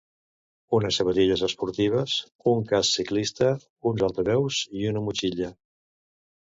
Unes sabatilles esportives, un casc ciclista, uns altaveus i una motxilla.